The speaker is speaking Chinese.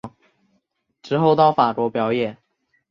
之后到法国表演。